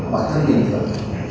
mà thân nhìn được